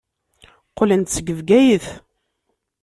Qqlen-d seg Bgayet.